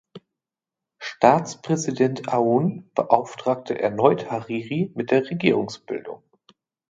Staatspräsident Aoun beauftragte erneut Hariri mit der Regierungsbildung.